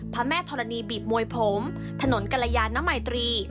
พระแม่ธรณีบีบมวยผมถนนกรยานมัยตรี